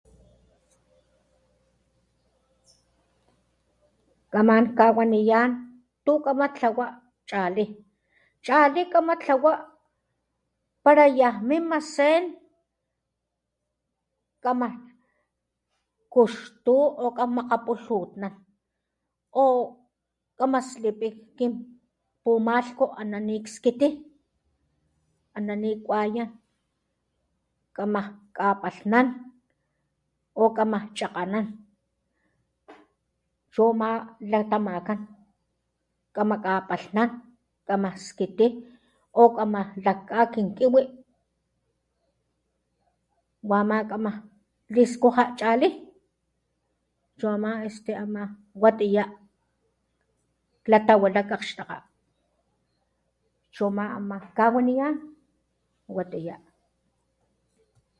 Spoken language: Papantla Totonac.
Kaman kawaniyán tu kamatlawa chali, chali kamatlawa para yaj mima sen, kama kuxtu o kan makgapulutnan o kama slipí kin pumalhku ana nikskití aná ni kuayán kamaj kapalhnán, o kama chakganan chuma latamakan, kama kapalhnan kamaj skití, o kama lajka kin kiwi, wama kama liskuja chalí, chumá chuma este watiyá klatawila nak kgaxtakga, chuma ama jkawaniyán, watiyá.